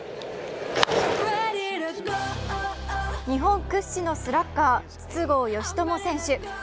日本屈指のスラッガー、筒香嘉智選手。